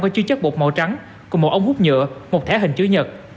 có chứa chất bột màu trắng một ống hút nhựa một thẻ hình chứa nhật